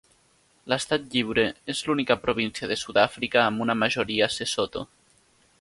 L'Estat Lliure és l'única província de Sud-àfrica amb una majoria sesotho.